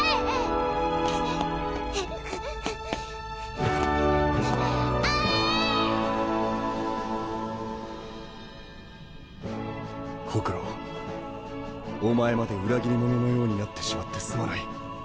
ホクロお前まで裏切り者のようになってしまってすまない。